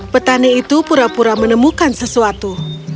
petani itu pura pura menemukan sesuatu